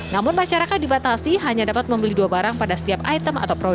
namun masyarakat dibatasi hanya dapat membeli dua barang pada setiap item atau produk